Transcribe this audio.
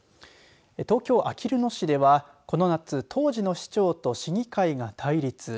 東京、あきる野市ではこの夏、当時の市長と市議会が対立。